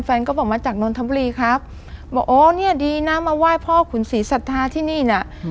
แฟนก็บอกมาจากนนทบุรีครับบอกอ๋อเนี่ยดีนะมาไหว้พ่อขุนศรีสัทธาที่นี่น่ะ